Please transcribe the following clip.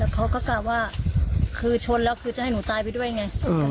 เขาก็กลับว่าคือชนแล้วคือจะให้หนูตายไปด้วยไง